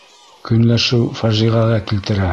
Көнләшеү фажиғәгә килтерә